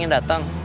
yang ingin datang